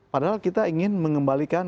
padahal kita ingin mengembalikan